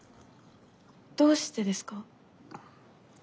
どうしてですか？